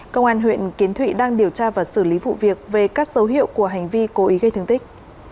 công an huyện kiến thụy đang điều tra và xử lý vụ việc về các dấu hiệu của hành vi cố ý gây thương tích